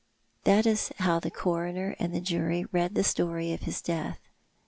That is how the coroner and the jury read the story of his death.